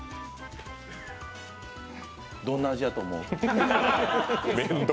どんな味やと思う？